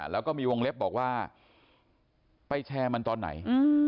แล้วก็มีวงเล็บบอกว่าไปแชร์มันตอนไหน